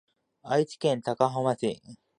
愛知県高浜市